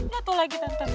gatuh lagi tante